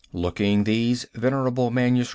] Looking these venerable MSS.